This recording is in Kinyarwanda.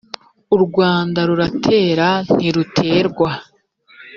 urwanda ruratera ntiruterwa.